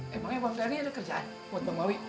emangnya bang dhani ada kerjaan buat bang bawi